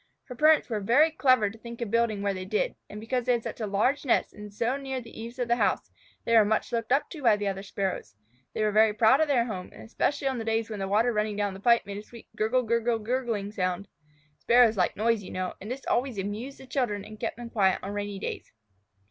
Her parents were very clever to think of building where they did; and because they had such a large nest and so near the eaves of the house, they were much looked up to by the other Sparrows. They were very proud of their home, and especially on days when the water running down the pipe made a sweet guggle guggle guggling sound. Sparrows like noise, you know, and this always amused the children and kept them quiet on rainy days.